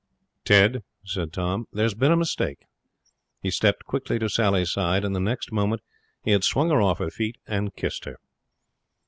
'Ted,' said Tom, 'there's been a mistake.' He stepped quickly to Sally's side, and the next moment he had swung her off her feet and kissed her.